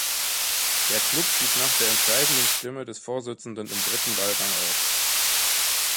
Der Club schied nach der entscheidenden Stimme des Vorsitzenden im dritten Wahlgang aus.